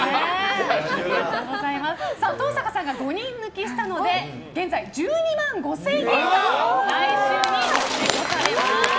登坂さんが５人抜きしたので現在、１２万５０００円が来週に繰り越されます。